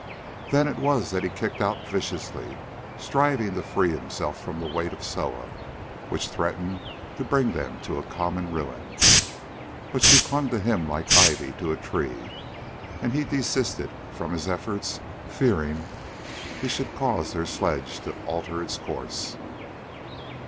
Then it was that he kicked out viciously, striving to free himself from the weight of Soa, which threatened to bring them to a common ruin. But she clung to him like ivy to a tree, and he desisted from his efforts, fearing lest he should cause their sledge to alter its course.